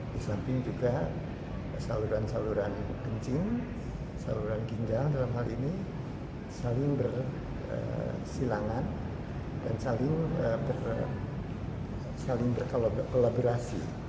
di samping juga saluran saluran kencing saluran ginjal dalam hal ini saling bersilangan dan saling berkolaborasi